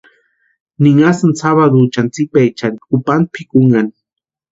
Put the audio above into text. Ninhasinti sabaduchani tsipechani kupanta pʼikunhani.